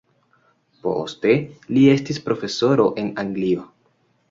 Poste li estis profesoro en Anglio.